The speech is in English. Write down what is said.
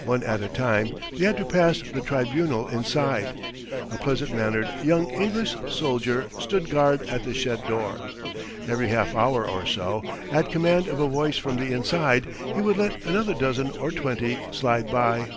One at a time they had to pass the tribunal inside. A pleasant mannered young English soldier stood guard at the shed door. Every half hour or so, at command of a voice from the inside, he would let another dozen or twenty slide by.